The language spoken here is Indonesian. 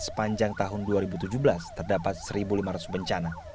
sepanjang tahun dua ribu tujuh belas terdapat satu lima ratus bencana